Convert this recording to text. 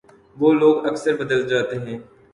وہ لوگ اکثر بدل جاتے ہیں